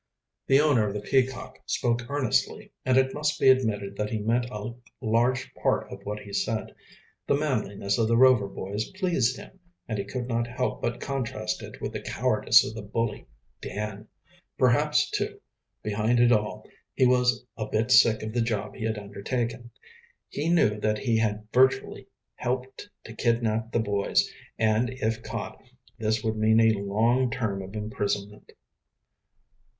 The owner of the Peacock spoke earnestly, and it must be admitted that he meant a large part of what he said. The manliness of the Rover boys pleased him, and he could not help but contrast it with the cowardice of the bully, Dan. Perhaps, too, behind it all, he was a bit sick of the job he had undertaken. He knew that he had virtually helped to kidnap the boys, and, if caught, this would mean a long term of imprisonment.